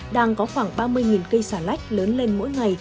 đang có khoảng ba mươi cây xà lách lớn lên mỗi ngày